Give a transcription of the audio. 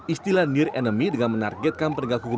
istilah near enemy dengan menargetkan penegak hukum